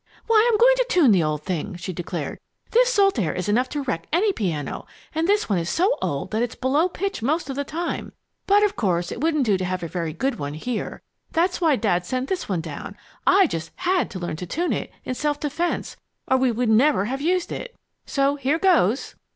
"Why, I'm going to tune the old thing!" she declared. "This salt air is enough to wreck any piano, and this one is so old that it's below pitch most of the time. But of course it wouldn't do to have a very good one here. That's why Dad sent this one down. I just had to learn to tune it, in self defense, or we could never have used it. So here goes!